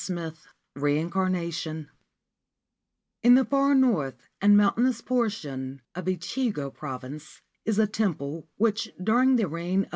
XXII REINCARNATION IN the far north and mountainous portion of Echig Province is a temple which during the reign of tr.